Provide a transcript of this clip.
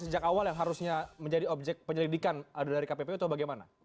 sejak awal yang harusnya menjadi objek penyelidikan ada dari kppu atau bagaimana